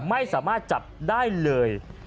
ไม่สามารถจับได้เลย